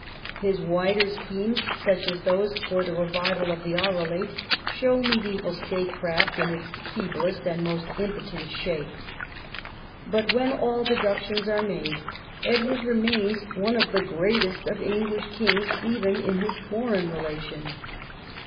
lOG EDWARD I chap, v His wider schemes, such as those for the revival of the Arelate, show mediseval statecraft in its feeblest and most impotent shape. But, when all deductions are made, Edward remains one of the greatest of English kings even in his foreign relations.